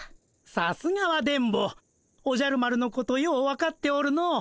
さすがは電ボおじゃる丸のことよう分かっておるの。